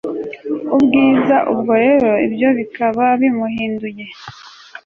ubwiza, ubwo rero ibyo bikaba bimuhinduye